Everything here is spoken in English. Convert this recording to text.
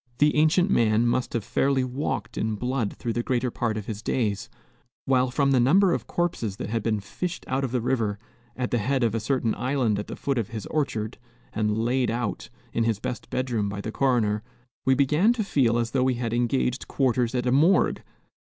The ancient man must have fairly walked in blood through the greater part of his days; while from the number of corpses that had been fished out of the river, at the head of a certain island at the foot of his orchard, and "laid out" in his best bedroom by the coroner, we began to feel as though we had engaged quarters at a morgue.